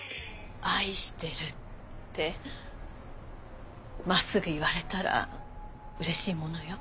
愛してるってまっすぐ言われたらうれしいものよ。